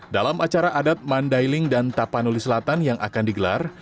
dalam acara adat mandailing dan tapanuli selatan yang akan digelar